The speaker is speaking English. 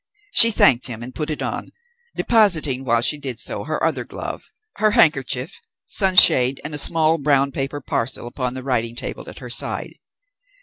She thanked him and put it on, depositing, while she did so, her other glove, her handkerchief, sunshade and a small brown paper parcel upon the writing table at her side.